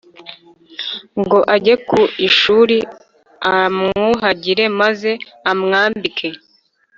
ngo age ku ishuri Aramwuhagiye maze amwambike